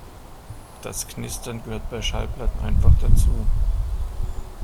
Das Knistern gehört bei Schallplatten einfach dazu.